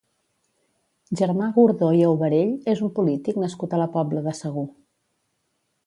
Germà Gordó i Aubarell és un polític nascut a la Pobla de Segur.